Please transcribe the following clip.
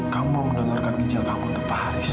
kamu mau mendonorkan gizil kamu untuk pak haris